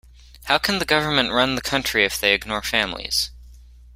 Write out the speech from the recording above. How can the government run the country if they ignore families?